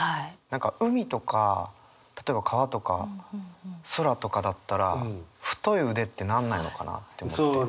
何か海とか例えば川とか空とかだったら「太い腕」ってなんないのかなって思って。